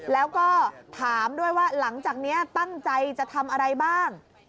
แล้วก็ถามด้วยว่าหลังจากนี้ตั้งใจจะทำอะไรบ้าง